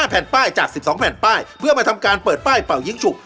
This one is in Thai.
แผ่นป้ายจาก๑๒แผ่นป้ายเพื่อมาทำการเปิดป้ายเป่ายิ้งฉุก